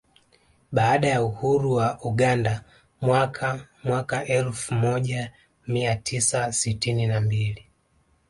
Baada ya uhuru wa Uganda mwaka mwaka elfu moja mia tisa sitini na mbili